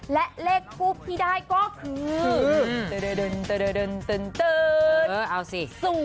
และเลขภูมิที่ได้ก็คือเออเอาสิ